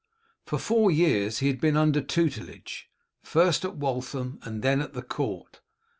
For four years he had been under tutelage, first at Waltham, and then at the court.